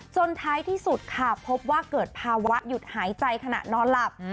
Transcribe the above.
ท้ายที่สุดค่ะพบว่าเกิดภาวะหยุดหายใจขณะนอนหลับ